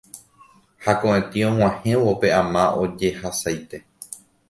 Ha ko'ẽtĩ og̃uahẽvo pe ama ojehasaite